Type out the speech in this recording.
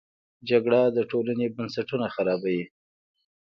جګړه د ټولنې بنسټونه خرابوي